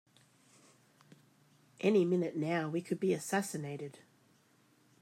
Any minute now we could be assassinated!